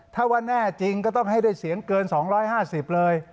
ถ้าว่าแน่จริงก็ต้องให้ได้เสียงเกิน๒๕๐เลย